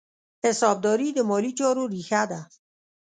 حسابداري د مالي چارو ریښه ده.